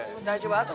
大丈夫。